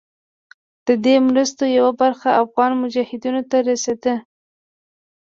د دې مرستو یوه برخه افغان مجاهدینو ته رسېده.